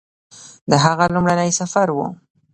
د هغه لومړنی سفر و